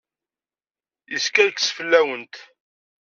Yeskerkes fell-awent.